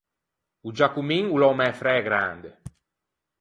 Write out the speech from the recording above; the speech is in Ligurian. O Giacomin o l’é o mæ fræ grande.